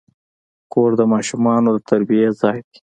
کور د ماشومانو د تربیې ځای دی.